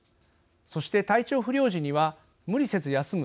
そして体調不良時には無理せず休む